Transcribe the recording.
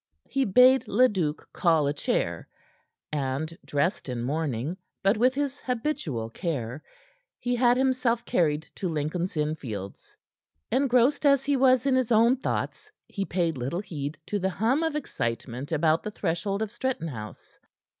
He bade Leduc call a chair, and, dressed in mourning, but with his habitual care, he had himself carried to Lincoln's Inn Fields. Engrossed as he was in his own thoughts, he paid little heed to the hum of excitement about the threshold of Stretton House.